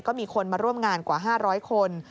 ก็มีคนมาร่วมงานกว่า๕๐๐คน